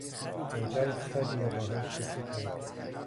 آنجا ایستادیم و با هم شوخی کردیم.